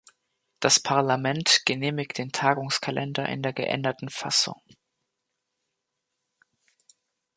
Das Parlament genehmigt den Tagungskalender in der geänderten Fassung.